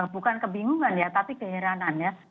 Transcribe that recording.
bukan kebingungan ya tapi keheranan ya